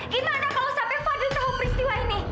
gimana kalau sampai fadli tahu peristiwa ini